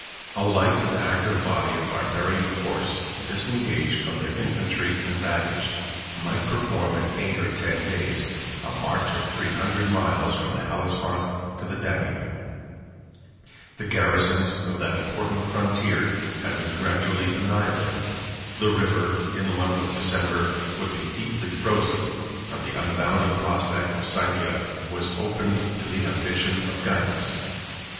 A light and active body of Barbarian horse, disengaged from their infantry and baggage, might perform in eight or ten days a march of three hundred miles from the Hellespont to the Danube; 38 the garrisons of that important frontier had been gradually annihilated; the river, in the month of December, would be deeply frozen; and the unbounded prospect of Scythia was opened to the ambition of Gainas.